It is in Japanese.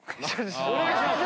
お願いします。